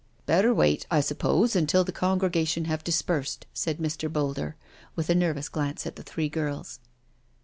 '* Better wait, I suppose, until the congregation have dispersed/' said Mr. Boulder, with a nervous glance at the three girls.